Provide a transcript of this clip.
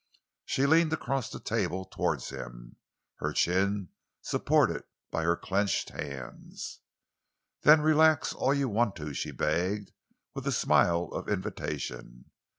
She leaned across the table towards him, her chin supported by her clenched hands. "Then relax all you want to," she begged, with a smile of invitation.